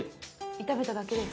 炒めただけです。